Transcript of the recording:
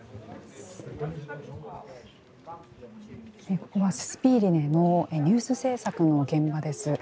ここは、ススピーリネのニュース制作の現場です。